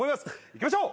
いきましょう。